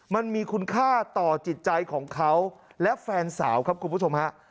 มันมีคุณค่าต่อจิตใจของเขาและแฟนสาวครับคุณผู้ชมฮะ